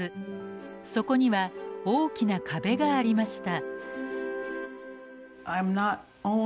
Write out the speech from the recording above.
そこには大きな壁がありました。